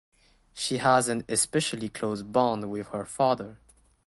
She has an especially close bond with her father.